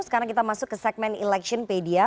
sekarang kita masuk ke segmen electionpedia